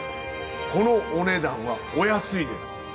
このお値段はお安いです。